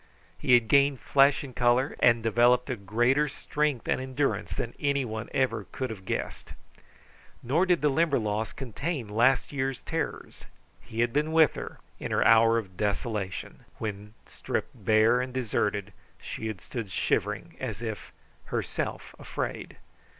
He had gained flesh and color, and developed a greater strength and endurance than anyone ever could have guessed. Nor did the Limberlost contain last year's terrors. He had been with her in her hour of desolation, when stripped bare and deserted, she had stood shivering, as if herself afraid.